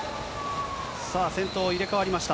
先頭、入れ代わりました。